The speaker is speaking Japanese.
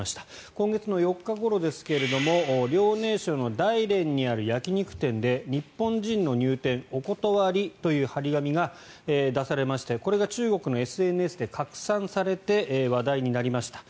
今月４日ごろですが遼寧省の大連にある焼き肉店で日本人の入店お断りという貼り紙が出されましてこれが中国のＳＮＳで拡散されて話題になりました。